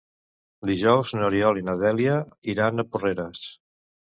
Dijous n'Oriol i na Dèlia iran a Porreres.